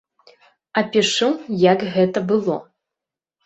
Апішу, як гэта было.